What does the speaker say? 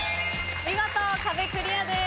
見事壁クリアです。